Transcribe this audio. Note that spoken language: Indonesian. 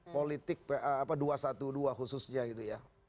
politik dua ratus dua belas khususnya gitu ya